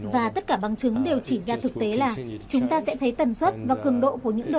và tất cả bằng chứng đều chỉ ra thực tế là chúng ta sẽ thấy tần suất và cường độ của những trạng thái hậu mới